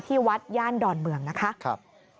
วัดย่านดอนเมืองนะคะ